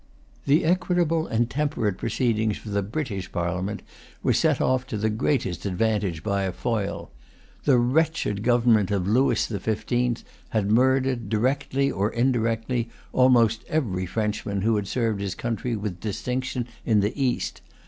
The equitable and temperate proceedings of the British Parliament were set off to the greatest advantage by a foil. The wretched government of Lewis the Fifteenth had murdered, directly or indirectly, almost every Frenchman who had served his country with distinction in the East.